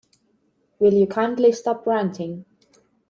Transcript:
Will you kindly stop ranting?